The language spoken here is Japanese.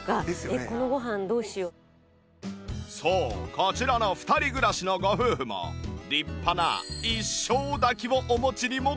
こちらの２人暮らしのご夫婦も立派な一升炊きをお持ちにもかかわらず